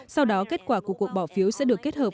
sau đó kết quả của cuộc bỏ phiếu sẽ được kết hợp